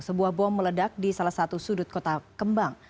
sebuah bom meledak di salah satu sudut kota kembang